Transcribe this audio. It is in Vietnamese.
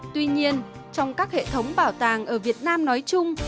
tuy nhiên trong các hệ thống bảo tàng ở việt nam nói chung